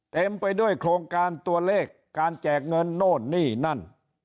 เต็มไปด้วยโครงการตัวเลขการแจกเงินโน่นนี่นั่น